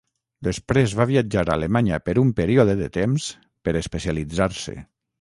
Després va viatjar a Alemanya per un període de temps per especialitzar-se.